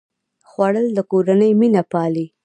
خوړل د کورنۍ مینه پالي